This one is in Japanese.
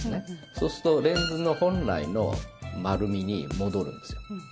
そうすると、レンズ本来の丸みに戻るんですよ。